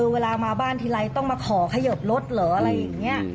เวลามาบ้านทีไรต้องมาขอขยิบรถเหรออะไรอย่างนี้